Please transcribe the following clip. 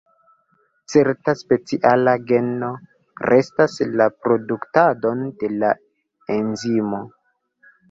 Certa speciala geno regas la produktadon de la enzimo.